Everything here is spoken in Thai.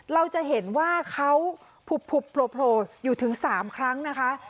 เราจะเห็นว่าเขาผุบโผล่อยู่ถึง๓ครั้งนะคะ